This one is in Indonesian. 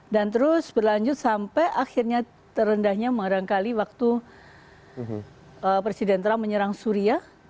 dan terus berlanjut sampai akhirnya terendahnya mengarangkali waktu presiden trump menyerang syria